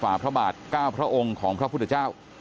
ฝ่าพระบาทเก้าพระองค์ของพระพุทธเจ้า